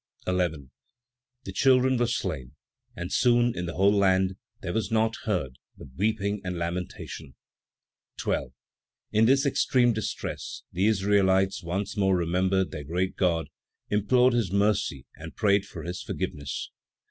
11. The children were slain, and soon, in the whole land, there was naught heard but weeping and lamentation. 12. In this extreme distress, the Israelites once more remembered their great God, implored his mercy and prayed for his forgiveness.